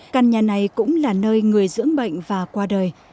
căn nhà này cũng là nơi người dưỡng bệnh và qua đời